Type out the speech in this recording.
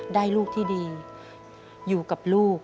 ลูกที่ดีอยู่กับลูก